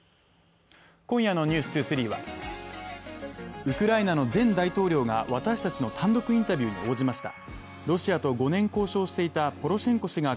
今夜の「ｎｅｗｓ２３」はウクライナの前大統領が私たちの単独インタビューに応じました。